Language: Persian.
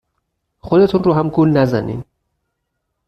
خودتون رو هم گول نزنین.